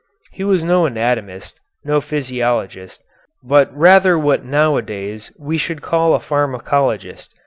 He was no anatomist, no physiologist, but rather what nowadays we should call a pharmacologist.